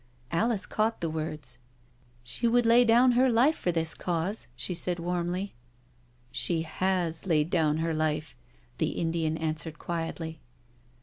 Alice caught the words. " She would lay down her life for this Cause/' she said warmly. " She has laid down her life/' the Indian answered quietly.